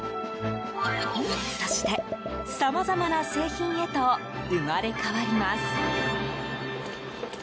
そして、さまざまな製品へと生まれ変わります。